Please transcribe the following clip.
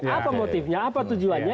apa motifnya apa tujuannya